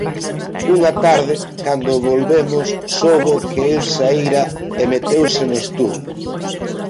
Unha tarde, cando volvemos, soubo que el saíra e meteuse no estudio.